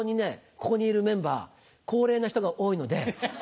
ここにいるメンバー高齢な人が多いので。